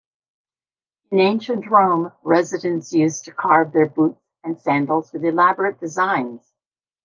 In ancient Rome residents used to carve their boots and sandals with elaborate designs.